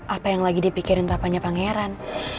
apa yang lagi dipikirin papanya pangeran